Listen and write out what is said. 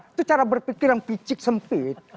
itu cara berpikir yang picik sempit